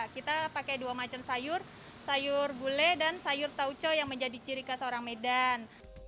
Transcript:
kita pakai dua macam sayur sayur bule dan sayur tauco yang menjadi ciri khas orang medan